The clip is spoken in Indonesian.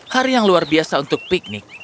hari yang luar biasa untuk piknik